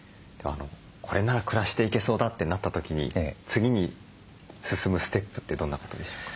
これなら暮らしていけそうだってなった時に次に進むステップってどんなことでしょうか？